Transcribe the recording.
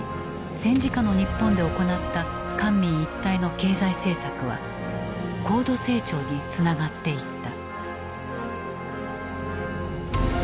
戦時下の日本で行った官民一体の経済政策は高度成長につながっていった。